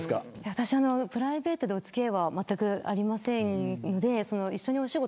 私、プライベートでお付き合いはまったくありませんので一緒にお仕事